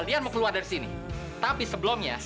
tindakan ranti lagi